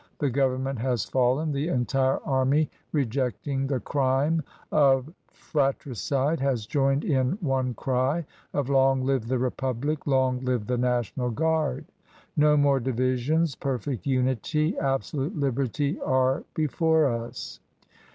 The government has fallen, the entire army, ejecting the crime of fratricide, has joined in one :ry of 'Long live the Republic, long live the STational Garde!' No more divisions; perfect unity, ibsolute liberty are before us."